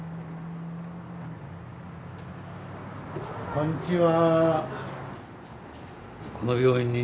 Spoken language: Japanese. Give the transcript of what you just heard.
こんちは。